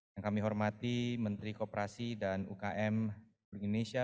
yang kami hormati menteri kooperasi dan ukm indonesia